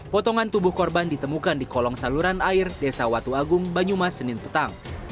potongan tubuh korban ditemukan di kolong saluran air desa watu agung banyumas senin petang